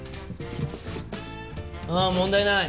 ああ問題ない。